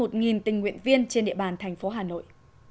tình nguyện viên trên địa bàn thành phố hà nội